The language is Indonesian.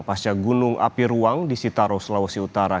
pasca gunung api ruang di sitaro sulawesi utara